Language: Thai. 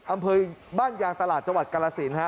อำเภอบ้านยางตลาดจังหวัดกาลสินฮะ